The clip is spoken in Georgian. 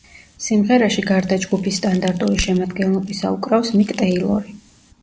სიმღერაში, გარდა ჯგუფის სტანდარტული შემადგენლობისა, უკრავს მიკ ტეილორი.